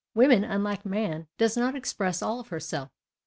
Woman, unhke man, does not express all of herself.